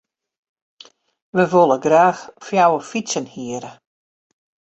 Wy wolle graach fjouwer fytsen hiere.